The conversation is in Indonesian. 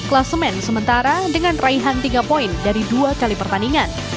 kelasemen sementara dengan raihan tiga poin dari dua kali pertandingan